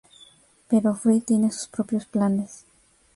Pero Fry tiene sus propios planes.